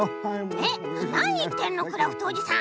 えっなにいってんのクラフトおじさん。